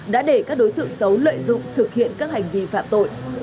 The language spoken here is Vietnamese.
đã để các đối tượng xấu lợi dụng thực hiện các hành vi phạm tội